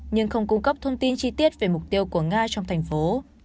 nhưng không cung cấp thông tin chi tiết về mục tiêu của nga trong thành phố